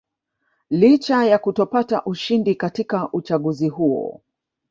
Licha ya kutopata ushindi katika uchaguzi huo